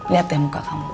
lihat deh muka kamu